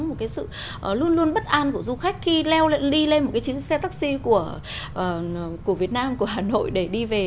một cái sự luôn luôn bất an của du khách khi leo ly lên một cái chiến xe taxi của việt nam của hà nội để đi về